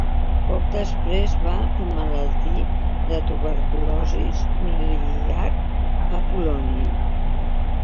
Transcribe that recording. Poc després va emmalaltir de tuberculosi miliar a Polònia.